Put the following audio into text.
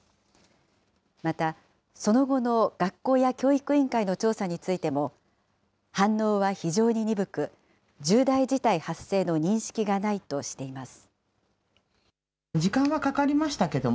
また、その後の学校や教育委員会の調査についても、反応は非常に鈍く、重大事態発生の認識がないとしています。